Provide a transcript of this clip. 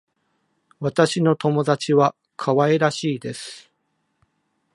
私の友達は可愛らしいです。